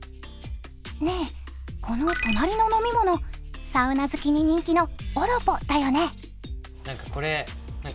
ねえ、この隣の飲み物、サウナ好きに人気のオロポだよね。